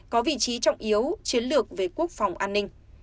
có vị trí trọng yếu chiến lược về quốc phòng an ninh